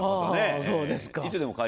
あぁそうですか。